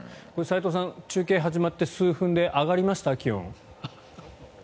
齋藤さん、中継が始まって数分で気温上がりました？